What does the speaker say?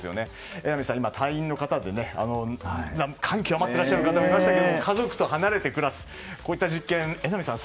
榎並さん隊員の方感極まっていらっしゃる方もいましたが家族と離れて暮らす実験